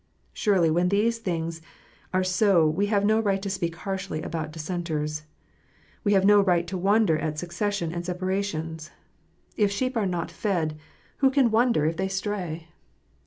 Surely when these things are so we have no right to speak harshly about Dissenters. We have no right to wonder at secession and separations. If sheep are not fed, who can wonder if they 236 KNOTS UNTIED. stray